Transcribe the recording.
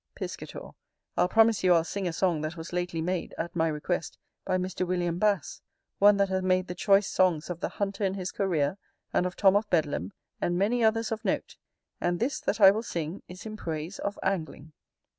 Piscator. I'll promise you I'll sing a song that was lately made, at my request, by Mr. William Basse; one that hath made the choice songs of the "Hunter in his Career," and of "Tom of Bedlam," and many others of note; and this, that I will sing, is in praise of Angling.